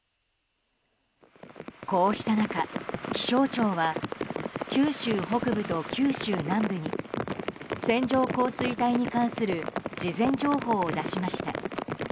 こうした中、気象庁は九州北部と九州南部に線状降水帯に関する事前情報を出しました。